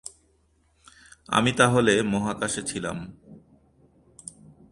আমি তাহলে মহাকাশে ছিলাম।